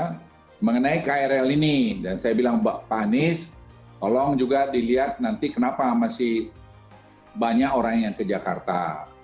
nah mengenai krl ini dan saya bilang pak anies tolong juga dilihat nanti kenapa masih banyak orang yang ke jakarta